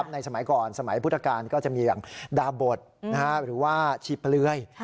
ในสมัยก่อนสมัยพุทธกาลก็จะมีอย่างดาบทหรือว่าชีเปลือย